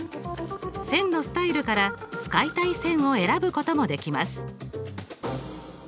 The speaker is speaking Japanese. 線のスタイルから使いたい線を選ぶこともできます。